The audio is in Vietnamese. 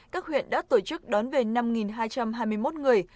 các huyện đã tổ chức đón về năm hai trăm hai mươi một người